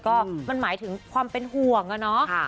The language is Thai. ก็มันหมายถึงความเป็นห่วงอะเนาะ